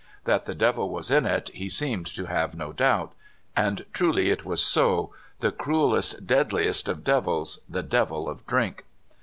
That the devil was in it, he seemed to have no doubt. And truly it was so — the crudest, deadliest of devils, the devil of drink!